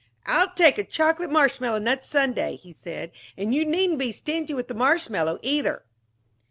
"I'll take a chocolate marshmallow nut sundae," he said. "And you needn't be stingy with the marshmallow, either!"